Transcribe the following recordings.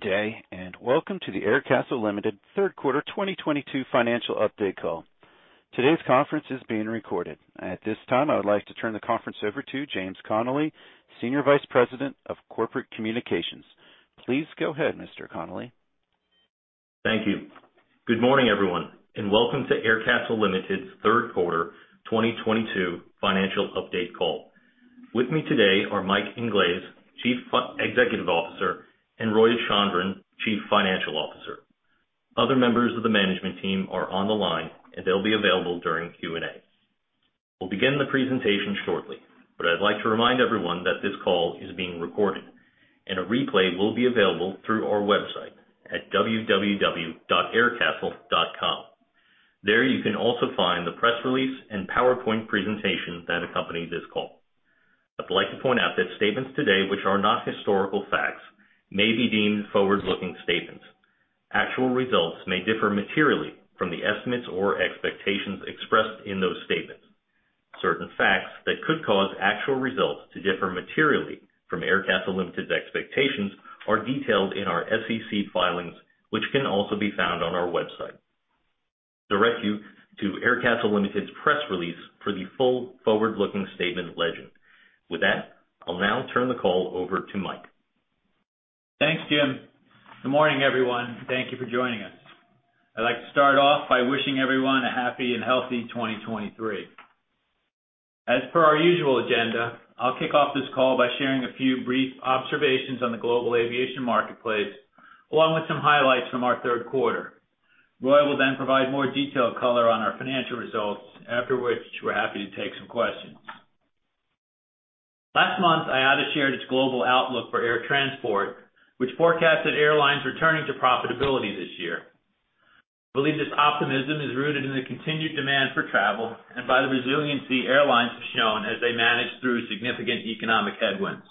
Good day. Welcome to the Aircastle Limited Third Quarter 2022 Financial Update call. Today's conference is being recorded. At this time, I would like to turn the conference over to James Connelly, Senior Vice President of Corporate Communications. Please go ahead, Mr. Connelly. Thank you. Good morning, everyone, welcome to Aircastle Limited's third quarter 2022 financial update call. With me today are Mike Inglese, Chief Executive Officer, and Roy Chandran, Chief Financial Officer. Other members of the management team are on the line, and they'll be available during Q&A. We'll begin the presentation shortly, but I'd like to remind everyone that this call is being recorded and a replay will be available through our website at www.aircastle.com. There, you can also find the press release and PowerPoint presentation that accompany this call. I'd like to point out that statements today which are not historical facts may be deemed forward-looking statements. Actual results may differ materially from the estimates or expectations expressed in those statements. Certain facts that could cause actual results to differ materially from Aircastle Limited's expectations are detailed in our SEC filings, which can also be found on our website. Direct you to Aircastle Limited's press release for the full forward-looking statement legend. With that, I'll now turn the call over to Mike. Thanks, Jim. Good morning, everyone. Thank Thank you for joining us. I'd like to start off by wishing everyone a happy and healthy 2023. As per our usual agenda, I'll kick off this call by sharing a few brief observations on the global aviation marketplace, along with some highlights from our third quarter. Roy will provide more detailed color on our financial results, after which we're happy to take some questions. Last month, IATA shared its global outlook for air transport, which forecasted airlines returning to profitability this year. Believe this optimism is rooted in the continued demand for travel and by the resiliency airlines have shown as they manage through significant economic headwinds.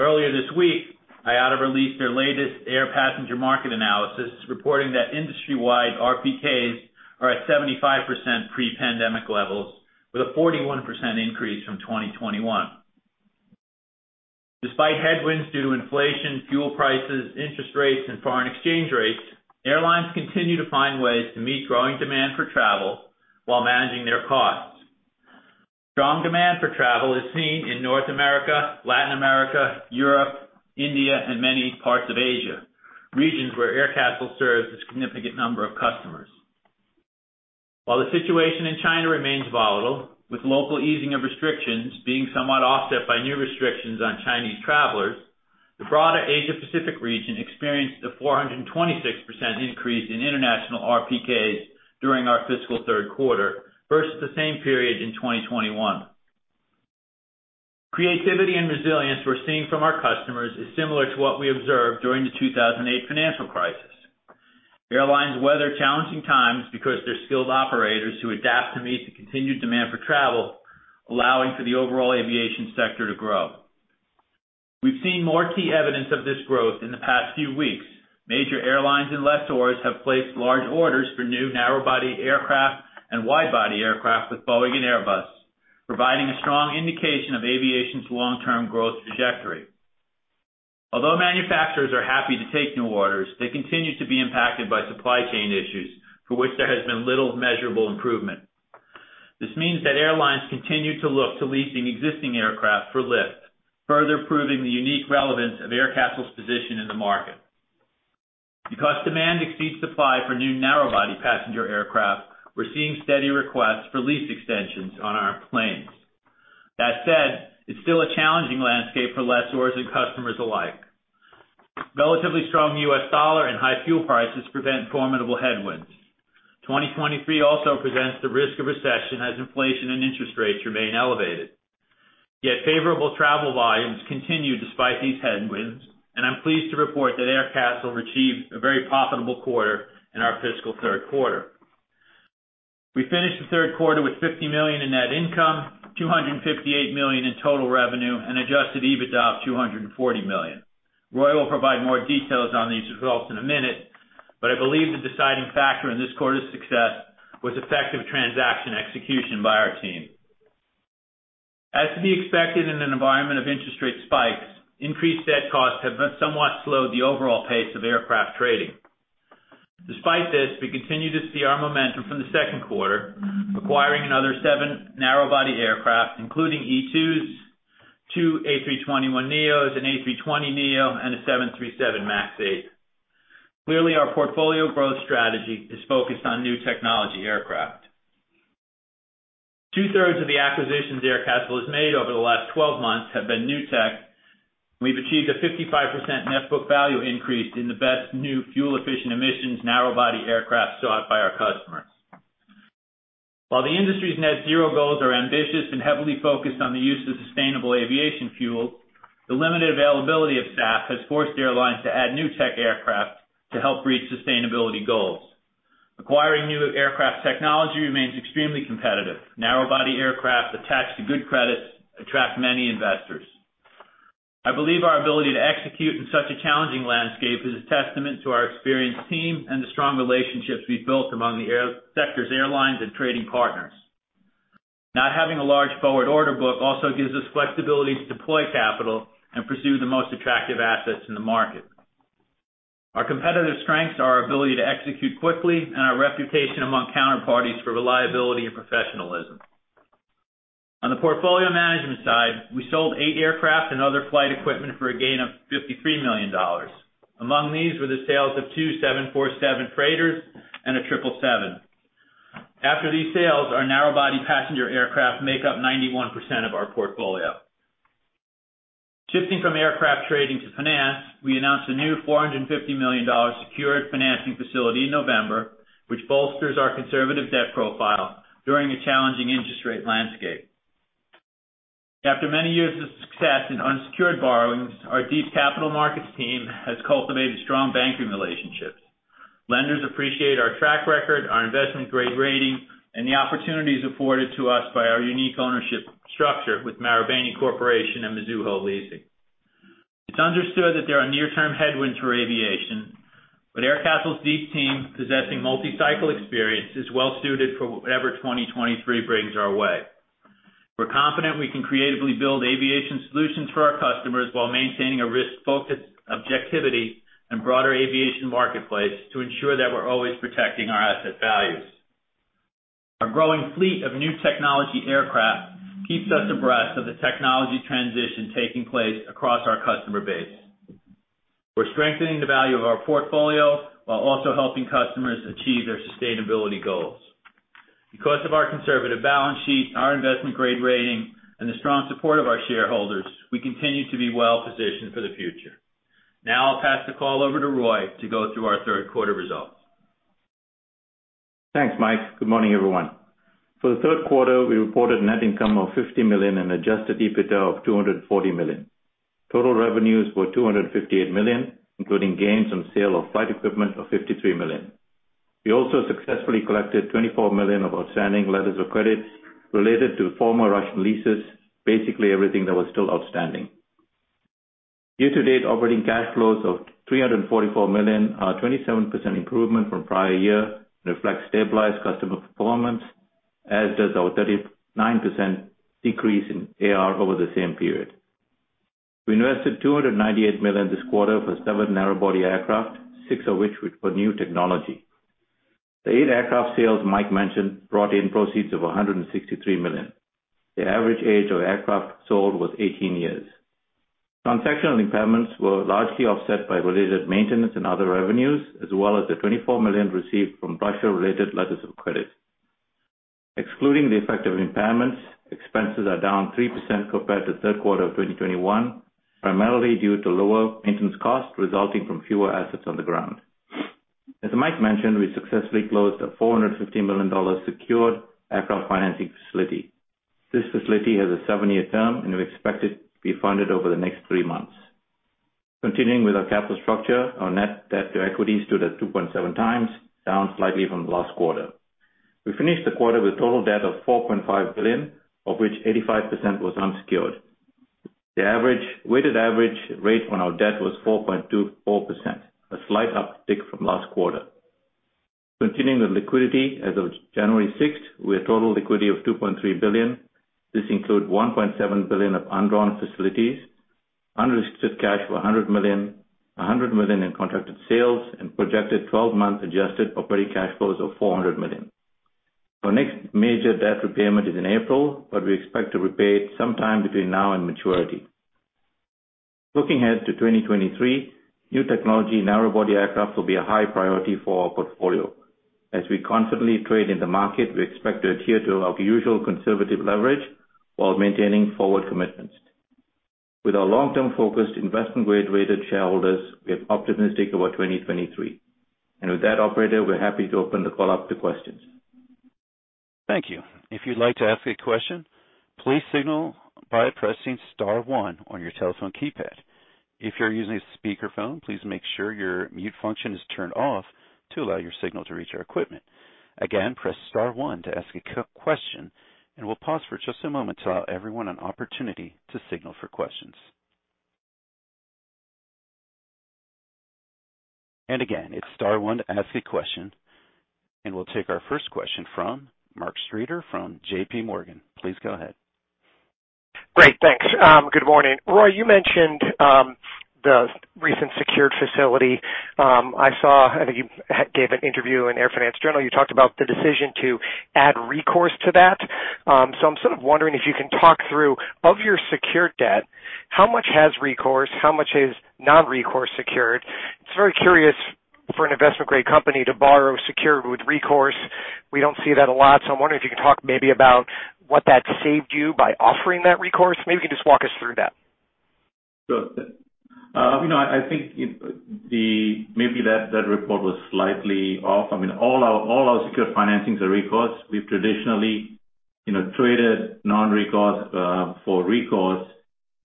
Earlier this week, IATA released their latest air passenger market analysis, reporting that industry-wide RPKs are at 75% pre-pandemic levels, with a 41% increase from 2021. Despite headwinds due to inflation, fuel prices, interest rates, and foreign exchange rates, airlines continue to find ways to meet growing demand for travel while managing their costs. Strong demand for travel is seen in North America, Latin America, Europe, India, and many parts of Asia, regions where Aircastle serves a significant number of customers. While the situation in China remains volatile, with local easing of restrictions being somewhat offset by new restrictions on Chinese travelers, the broader Asia-Pacific region experienced a 426% increase in international RPKS during our fiscal third quarter versus the same period in 2021. Creativity and resilience we're seeing from our customers is similar to what we observed during the 2008 financial crisis. Airlines weather challenging times because they're skilled operators who adapt to meet the continued demand for travel, allowing for the overall aviation sector to grow. We've seen more key evidence of this growth in the past few weeks. Major airlines and lessors have placed large orders for new narrow-body aircraft and wide-body aircraft with Boeing and Airbus, providing a strong indication of aviation's long-term growth trajectory. Although manufacturers are happy to take new orders, they continue to be impacted by supply chain issues for which there has been little measurable improvement. This means that airlines continue to look to leasing existing aircraft for lift, further proving the unique relevance of Aircastle's position in the market. Because demand exceeds supply for new narrow-body passenger aircraft, we're seeing steady requests for lease extensions on our planes. That said, it's still a challenging landscape for lessors and customers alike. Relatively strong U.S. dollar and high fuel prices prevent formidable headwinds. 2023 also presents the risk of recession as inflation and interest rates remain elevated. Favorable travel volumes continue despite these headwinds, I'm pleased to report that Aircastle achieved a very profitable quarter in our fiscal third quarter. We finished the third quarter with $50 million in net income, $258 million in total revenue, and Adjusted EBITDA of $240 million. Roy will provide more details on these results in a minute, I believe the deciding factor in this quarter's success was effective transaction execution by our team. As to be expected in an environment of interest rate spikes, increased debt costs have somewhat slowed the overall pace of aircraft trading. Despite this, we continue to see our momentum from the second quarter, acquiring another seven narrow-body aircraft, including E2s, two A321neos, an A320neo, and a 737 MAX 8. Clearly, our portfolio growth strategy is focused on new technology aircraft. Two-thirds of the acquisitions Aircastle has made over the last 12 months have been new tech. We've achieved a 55% net book value increase in the best new fuel-efficient emissions narrow-body aircraft sought by our customers. While the industry's Net Zero goals are ambitious and heavily focused on the use of Sustainable Aviation Fuel, the limited availability of SAF has forced airlines to add new tech aircraft to help reach sustainability goals. Acquiring new aircraft technology remains extremely competitive. Narrow-body aircraft attached to good credits attract many investors. I believe our ability to execute in such a challenging landscape is a testament to our experienced team and the strong relationships we've built among the sector's airlines and trading partners. Not having a large forward order book also gives us flexibility to deploy capital and pursue the most attractive assets in the market. Our competitive strengths are our ability to execute quickly and our reputation among counterparties for reliability and professionalism. On the portfolio management side, we sold eight aircraft and other flight equipment for a gain of $53 million. Among these were the sales of two 747 freighters and a 777. After these sales, our narrow body passenger aircraft make up 91% of our portfolio. Shifting from aircraft trading to finance, we announced a new $450 million secured financing facility in November, which bolsters our conservative debt profile during a challenging interest rate landscape. After many years of success in unsecured borrowings, our deep capital markets team has cultivated strong banking relationships. Lenders appreciate our track record, our investment-grade rating, and the opportunities afforded to us by our unique ownership structure with Marubeni Corporation and Mizuho Leasing. It's understood that there are near-term headwinds for aviation, but Aircastle's deep team, possessing multi-cycle experience, is well suited for whatever 2023 brings our way. We're confident we can creatively build aviation solutions for our customers while maintaining a risk-focused objectivity and broader aviation marketplace to ensure that we're always protecting our asset values. Our growing fleet of new technology aircraft keeps us abreast of the technology transition taking place across our customer base. We're strengthening the value of our portfolio while also helping customers achieve their sustainability goals. Because of our conservative balance sheet, our investment-grade rating, and the strong support of our shareholders, we continue to be well-positioned for the future. Now I'll pass the call over to Roy to go through our third quarter results. Thanks, Mike. Good morning, everyone. For the third quarter, we reported net income of $50 million and Adjusted EBITDA of $240 million. Total revenues were $258 million, including gains on sale of flight equipment of $53 million. We also successfully collected $24 million of outstanding letters of credits related to former Russian leases, basically everything that was still outstanding. Year-to-date operating cash flows of $344 million, a 27% improvement from prior year, reflects stabilized customer performance, as does our 39% decrease in AR over the same period. We invested $298 million this quarter for seven narrow body aircraft, six of which were new technology. The eight aircraft sales Mike mentioned brought in proceeds of $163 million. The average age of aircraft sold was 18 years. Transactional impairments were largely offset by related maintenance and other revenues, as well as the $24 million received from Russia-related letters of credit. Excluding the effect of impairments, expenses are down 3% compared to third quarter of 2021, primarily due to lower maintenance costs resulting from fewer assets on the ground. As Mike mentioned, we successfully closed a $450 million secured aircraft financing facility. This facility has a seven-year term. We expect it to be funded over the next three months. Continuing with our capital structure, our net debt to equity stood at 2.7x, down slightly from last quarter. We finished the quarter with total debt of $4.5 billion, of which 85% was unsecured. The weighted average rate on our debt was 4.24%, a slight uptick from last quarter. Continuing with liquidity, as of January 6th, we had total liquidity of $2.3 billion. This includes $1.7 billion of undrawn facilities, unrestricted cash of $100 million, $100 million in contracted sales, and projected 12-month adjusted operating cash flows of $400 million. Our next major debt repayment is in April, we expect to repay it sometime between now and maturity. Looking ahead to 2023, new technology narrow body aircraft will be a high priority for our portfolio. As we confidently trade in the market, we expect to adhere to our usual conservative leverage while maintaining forward commitments. With our long-term focused investment-grade-rated shareholders, we are optimistic about 2023. With that, operator, we're happy to open the call up to questions. Thank you. If you'd like to ask a question, please signal by pressing star one on your telephone keypad. If you're using a speakerphone, please make sure your mute function is turned off to allow your signal to reach our equipment. Again, press star one to ask a question. We'll pause for just a moment to allow everyone an opportunity to signal for questions. Again, it's star one to ask a question. We'll take our first question from Mark Streeter from JPMorgan. Please go ahead. Great, thanks. Good morning. Roy, you mentioned the recent secured facility. I saw, I think you gave an interview in Air Finance Journal. You talked about the decision to add recourse to that. I'm sort of wondering if you can talk through, of your secured debt, how much has recourse, how much is non-recourse secured? It's very curious for an investment-grade company to borrow secured with recourse. We don't see that a lot, so I'm wondering if you can talk maybe about what that saved you by offering that recourse. Maybe you can just walk us through that. Sure. You know, I think that report was slightly off. I mean, all our secure financings are recourse. We've traditionally, you know, traded non-recourse for recourse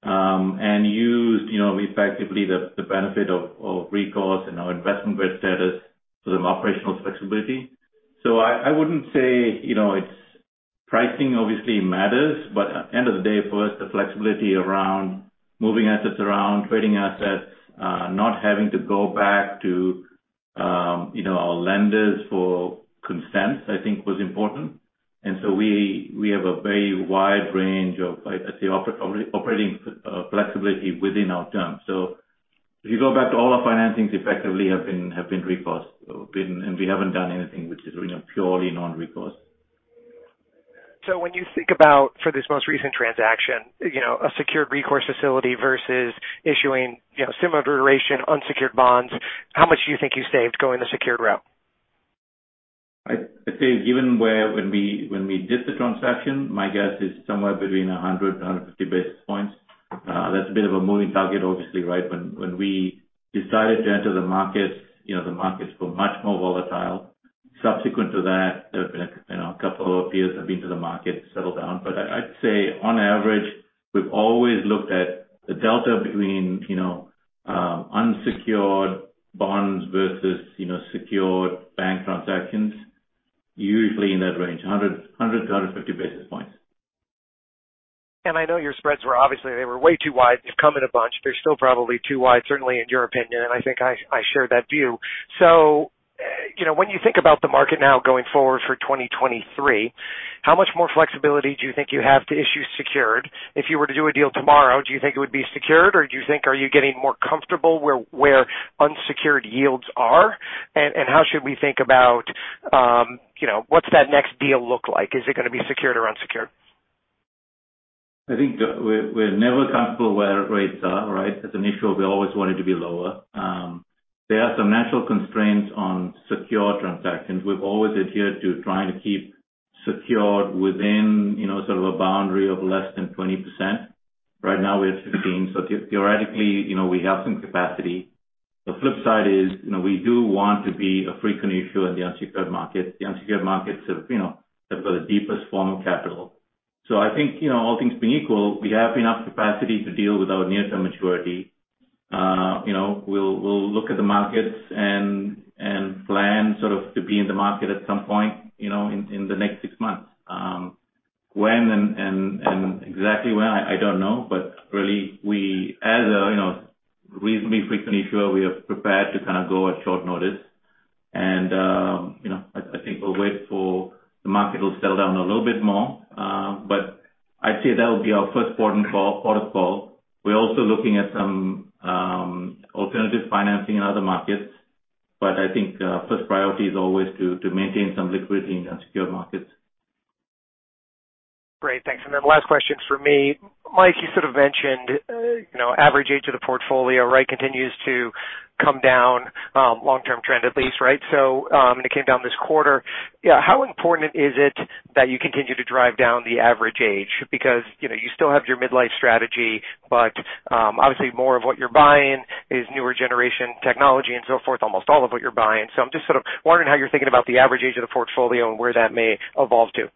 and used, you know, effectively the benefit of recourse and our investment-grade status for some operational flexibility. I wouldn't say, you know, pricing obviously matters, but at the end of the day, for us, the flexibility around moving assets around, trading assets, not having to go back to, you know, our lenders for consent, I think was important. We have a very wide range of, like I say, operating flexibility within our terms. If you go back to all our financings effectively have been recourse. And we haven't done anything which is, you know, purely non-recourse. When you think about for this most recent transaction, you know, a secured recourse facility versus issuing, you know, similar duration unsecured bonds, how much do you think you saved going the secured route? I'd say given where when we did the transaction, my guess is somewhere between 100-150 basis points. That's a bit of a moving target, obviously, right? When we decided to enter the market, you know, the markets were much more volatile. Subsequent to that, there have been a couple of years have been to the market settle down. I'd say on average, we've always looked at the delta between, you know, unsecured bonds versus, you know, secured bank transactions. Usually in that range, 100-150 basis points. I know your spreads were obviously they were way too wide. They've come in a bunch. They're still probably too wide, certainly in your opinion, and I think I share that view. You know, when you think about the market now going forward for 2023, how much more flexibility do you think you have to issue secured? If you were to do a deal tomorrow, do you think it would be secured, or do you think are you getting more comfortable where unsecured yields are? How should we think about, you know, what's that next deal look like? Is it gonna be secured or unsecured? I think we're never comfortable where rates are, right? As an issuer, we always want it to be lower. There are some natural constraints on secure transactions. We've always adhered to trying to keep secured within, you know, sort of a boundary of less than 20%. Right now, we have 15. Theoretically, you know, we have some capacity. The flip side is, you know, we do want to be a frequent issuer in the unsecured market. The unsecured markets have got the deepest form of capital. I think, you know, all things being equal, we have enough capacity to deal with our near-term maturity. You know, we'll look at the markets and plan sort of to be in the market at some point, you know, in the next six months. When and exactly when, I don't know. Really we as a, you know, reasonably frequently sure we are prepared to kind of go at short notice. You know, I think we'll wait for the market will settle down a little bit more. I'd say that would be our first port of call. We're also looking at some alternative financing in other markets. I think first priority is always to maintain some liquidity in unsecured markets. Great. Thanks. Last question from me. Mike, you sort of mentioned, you know, average age of the portfolio, right, continues to come down, long-term trend at least, right? It came down this quarter. Yeah. How important is it that you continue to drive down the average age? You know, you still have your midlife strategy, but obviously more of what you're buying is newer generation technology and so forth, almost all of what you're buying. I'm just sort of wondering how you're thinking about the average age of the portfolio and where that may evolve to?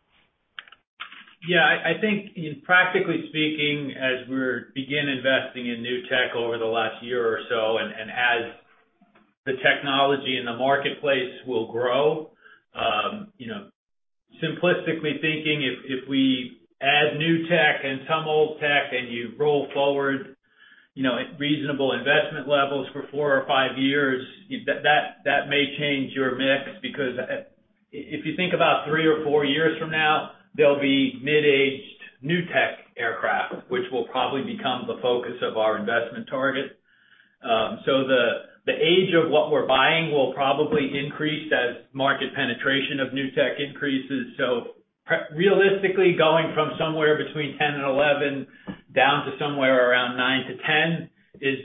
Yeah. I think in practically speaking, as we're begin investing in new tech over the last year or so, and as the technology in the marketplace will grow, you know, simplistically thinking, if we add new tech and some old tech and you roll forward, you know, at reasonable investment levels for four or five years, that may change your mix. Because, if you think about three or four years from now, there'll be mid-aged new tech aircraft, which will probably become the focus of our investment target. The age of what we're buying will probably increase as market penetration of new tech increases. Realistically, going from somewhere between 10 and 11 down to somewhere around nine to 10 is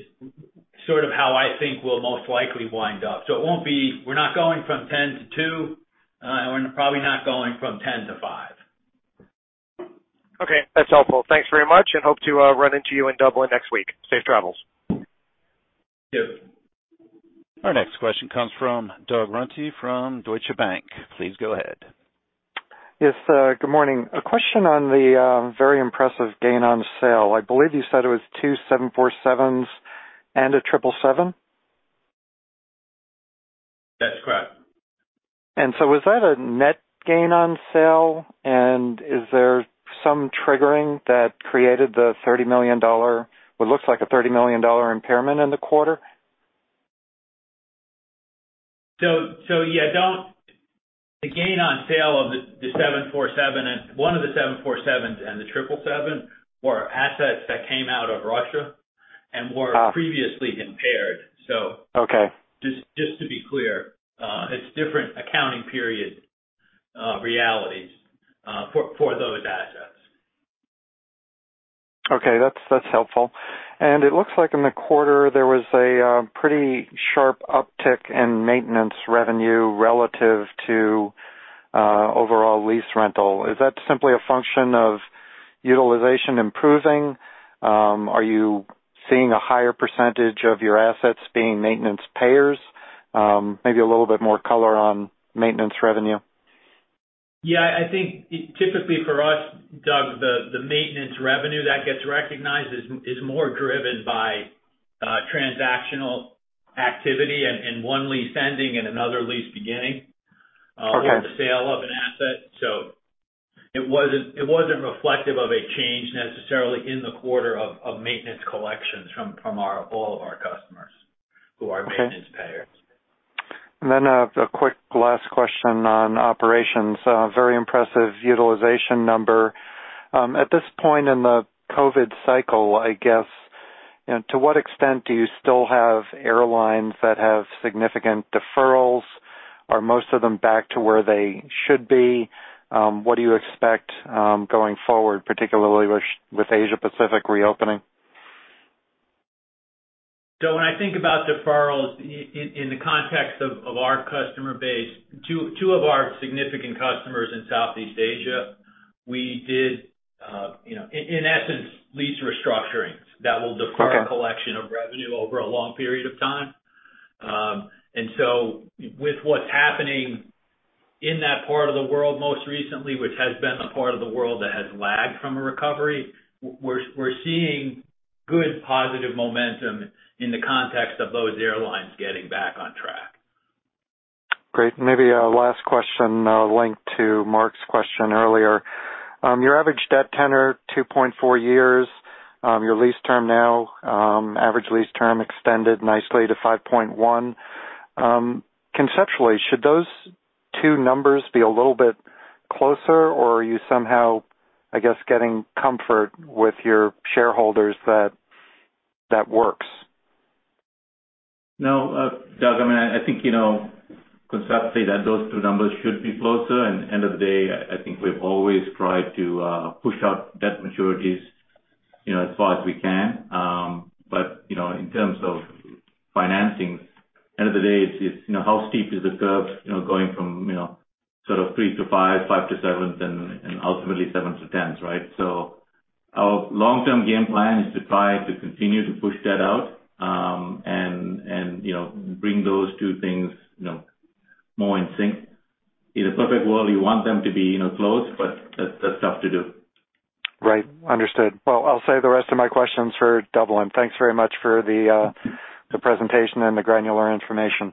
sort of how I think we'll most likely wind up. We're not going from 10 to two, and we're probably not going from 10 to five. Okay. That's helpful. Thanks very much and hope to run into you in Dublin next week. Safe travels. Thank you. Our next question comes from Doug Runte from Deutsche Bank. Please go ahead. Yes, good morning. A question on the very impressive gain on sale. I believe you said it was two 747s and a 777. That's correct. Was that a net gain on sale? Is there some triggering that created what looks like a $30 million impairment in the quarter? Yeah, the gain on sale of the 747 and one of the 747s and the 777 were assets that came out of Russia. Ah. previously impaired, so. Okay. Just to be clear, it's different accounting period realities for those assets. Okay. That's helpful. It looks like in the quarter, there was a pretty sharp uptick in maintenance revenue relative to overall lease rental. Is that simply a function of utilization improving? Are you seeing a higher percentage of your assets being maintenance payers? Maybe a little bit more color on maintenance revenue. Yeah, I think typically for us, Doug, the maintenance revenue that gets recognized is more driven by transactional activity and one lease ending and another lease beginning. Okay. -or the sale of an asset. It wasn't, it wasn't reflective of a change necessarily in the quarter of maintenance collections from all of our customers who are. Okay. maintenance payers. A quick last question on operations. Very impressive utilization number. At this point in the COVID cycle, I guess, you know, to what extent do you still have airlines that have significant deferrals? Are most of them back to where they should be? What do you expect going forward, particularly with Asia Pacific reopening? When I think about deferrals in the context of our customer base, two of our significant customers in Southeast Asia, we did, you know, in essence, lease restructurings that will defer- Okay. A collection of revenue over a long period of time. With what's happening in that part of the world most recently, which has been the part of the world that has lagged from a recovery, we're seeing good positive momentum in the context of those airlines getting back on track. Great. Maybe a last question, linked to Mark's question earlier. Your average debt tenor, 2.4 years. Your lease term now, average lease term extended nicely to 5.1. Conceptually, should those two numbers be a little bit closer, or are you somehow, I guess, getting comfort with your shareholders that that works? No, Doug, I mean, I think, you know, conceptually that those two numbers should be closer. At the end of the day, I think we've always tried to push out debt maturities, you know, as far as we can. In terms of financings, end of the day it's, you know, how steep is the curve, you know, going from, you know, sort of 3 to 5, 5 to 7, and ultimately 7 to 10, right? Our long-term game plan is to try to continue to push that out, and, you know, bring those two things, you know, more in sync. In a perfect world, you want them to be, you know, close, but that's tough to do. Right. Understood. Well, I'll save the rest of my questions for Dublin. Thanks very much for the presentation and the granular information.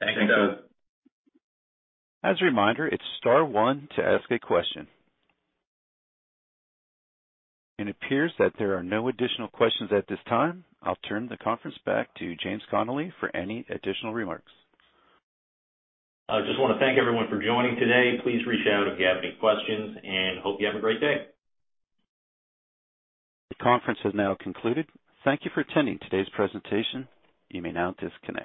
Thanks, Doug. Thanks. As a reminder, it's star one to ask a question. It appears that there are no additional questions at this time. I'll turn the conference back to James Connelly for any additional remarks. I just wanna thank everyone for joining today. Please reach out if you have any questions, and hope you have a great day. The conference has now concluded. Thank you for attending today's presentation. You may now disconnect.